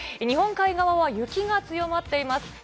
日本海側は雪が強まっています。